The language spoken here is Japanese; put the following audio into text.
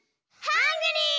ハングリー！